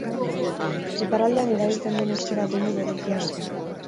Iparraldean, erabiltzen den euskera doinu berezia dauka